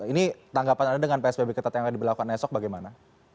ini tanggapan anda dengan psbb ketat yang akan diberlakukan esok bagaimana